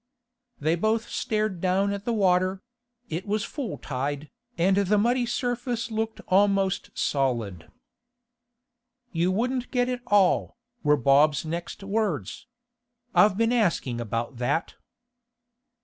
They both stared down at the water; it was full tide, and the muddy surface looked almost solid. 'You wouldn't get it all,' were Bob's next words. 'I've been asking about that.